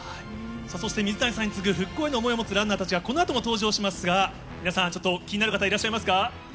そして水谷さんに次ぐ復興への想いをつなぐランナーたちが、このあとも登場しますが、皆さん、ちょっと気になる方、いらっしゃいますか？